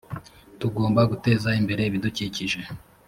tugomba guteza imbere ibidukikije